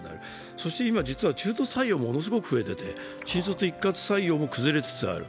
そして今、中途採用がものすごく増えてて新卒一括採用も崩れつつある。